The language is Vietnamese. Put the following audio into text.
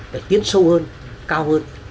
phải tiến sâu hơn cao hơn